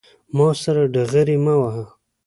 ما سره ډغرې مه وهه